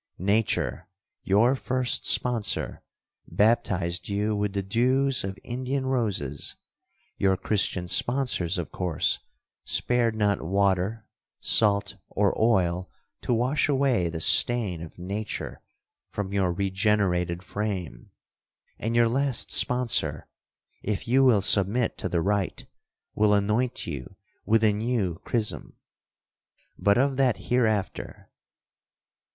Nature, your first sponsor, baptized you with the dews of Indian roses—your Christian sponsors, of course, spared not water, salt, or oil, to wash away the stain of nature from your regenerated frame—and your last sponsor, if you will submit to the rite, will anoint you with a new chrism. But of that hereafter.